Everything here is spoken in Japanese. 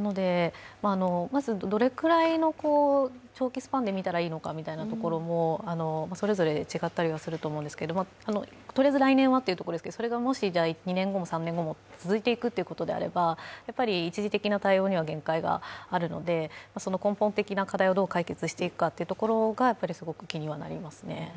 まずどれくらいの長期スパンで見たらいいのかみたいなところも、それぞれ違ったりはすると思うんですけど、とりあえず来年はというところですけど、それがもし、２年後も３年後も続いていくということであれば一時的な対応には限界があるので、その根本的な課題をどう解決していくかというところがすごく気にはなりますね。